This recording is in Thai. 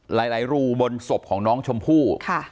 หลายหลายรูบนศพของน้องชมพู่ครับ